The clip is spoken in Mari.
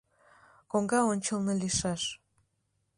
— Коҥга ончылно лийшаш.